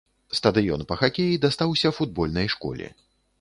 Стадыён па хакеі дастаўся футбольнай школе.